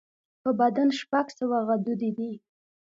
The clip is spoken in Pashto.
په بدن شپږ سوه غدودي دي.